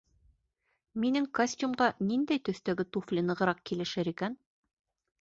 Минең костюмға ниндәй төҫтәге туфли нығыраҡ килешер икән?